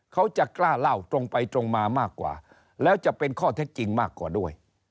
เขาจะกล้าเล่าตรงไปตรงมามากกว่าแล้วจะเป็นข้อเท็จจริงมากกว่าด้วย